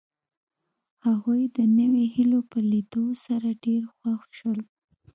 هغوی د نویو هیلو په لیدو سره ډېر خوښ شول